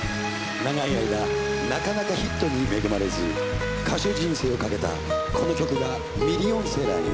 長い間なかなかヒットに恵まれず歌手人生をかけたこの曲がミリオンセラーに。